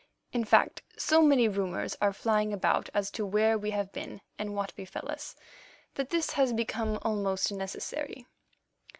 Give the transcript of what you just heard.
In fact, so many rumours are flying about as to where we have been and what befell us that this has become almost necessary.